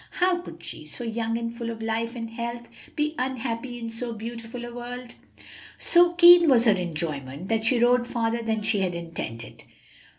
How could she, so young and full of life and health, be unhappy in so beautiful a world? So keen was her enjoyment that she rode farther than she had intended.